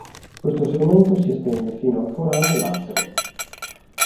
Questo segmento si estende fino al forame lacero.